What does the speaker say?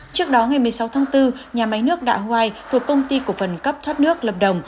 trước đó ngày một mươi sáu tháng bốn nhà máy nước đạ hoai thuộc công ty cổ phần cấp thoát nước lâm đồng